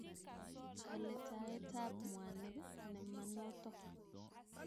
Kaletaet ab mwanik ne ma notok